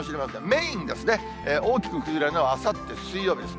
メインですね、大きく崩れるのはあさって水曜日です。